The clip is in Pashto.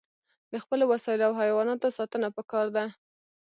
د خپلو وسایلو او حیواناتو ساتنه پکار ده.